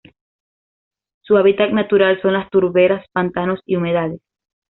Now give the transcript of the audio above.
Su hábitat natural son las turberas, pantanos y humedales.